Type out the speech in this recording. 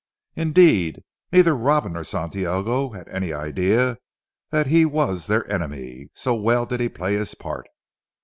Indeed neither Robin nor Santiago had any idea that he was their enemy, so well did he play his part.